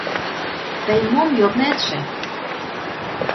Тый мом йоднетше?